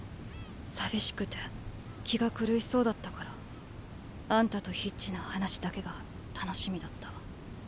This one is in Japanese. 寂しくて気が狂いそうだったからあんたとヒッチの話だけが楽しみだった。